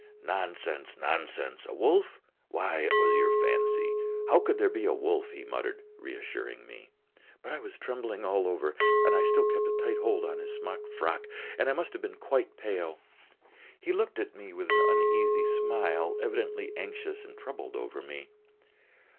"Nonsense, nonsense! A wolf? Why, it was your fancy! How could there be a wolf?" he muttered, reassuring me. But I was trembling all over, and still kept tight hold of his smock frock, and I must have been quite pale. He looked at me with an uneasy smile, evidently anxious and troubled over me.